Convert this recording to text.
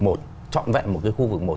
một trọn vẹn một cái khu vực một